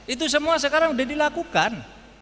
itu semua sekarang sudah dilakukan